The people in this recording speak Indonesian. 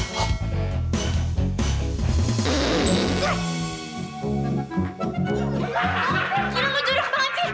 gua lo curang banget sih